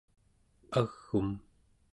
ag'um